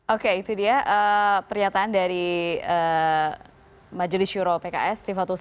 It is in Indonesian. oke itu dia pernyataan dari majelis syuro pks